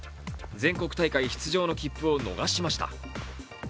全国大会出場の切符を逃しました。